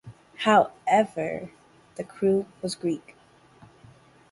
However the crew was Greek.